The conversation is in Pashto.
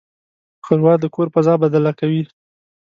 ښوروا د کور فضا بدله کوي.